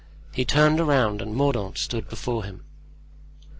He turned around and Mordaunt stood before him.